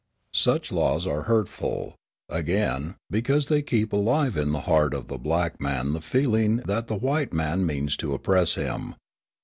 Such laws are hurtful, again, because they keep alive in the heart of the black man the feeling that the white man means to oppress him.